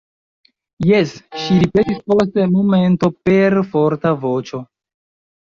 Jes, ŝi ripetis post momento per forta voĉo.